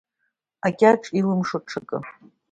Акьаҿ илымшо ҽакы…